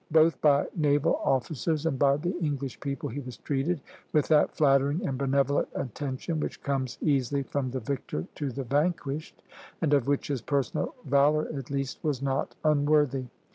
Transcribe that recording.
Both by naval officers and by the English people he was treated with that flattering and benevolent attention which comes easily from the victor to the vanquished, and of which his personal valor at least was not unworthy.